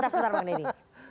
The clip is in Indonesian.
sebentar bang deddy